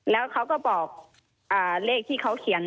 แล้วเขาก็บอกเลขที่เขาเขียน